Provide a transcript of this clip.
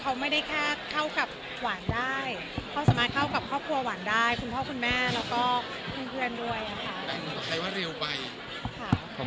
เขาสามารถเข้ากับครอบครัวหวานได้คุณพ่อคุณแม่แล้วก็เพื่อนด้วยอะค่ะ